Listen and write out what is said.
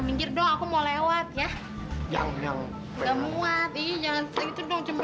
aduh aduh aduh aduh jangan jambangin dong